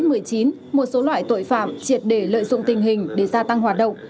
năm hai nghìn hai mươi một một số loại tội phạm triệt để lợi dụng tình hình để gia tăng hoạt động